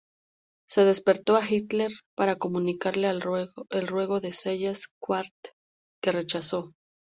Se despertó a Hitler para comunicarle el ruego de Seyss-Inquart, que rechazó.